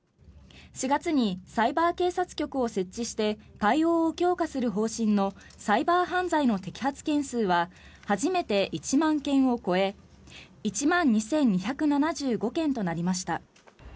４月にサイバー警察局を設置して対応を強化する方針のサイバー犯罪の摘発件数は初めて１万件を超え１万２２７５件となりました。